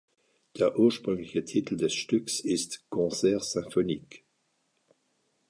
Der ursprüngliche Titel des Stücks ist "Concert symphonique".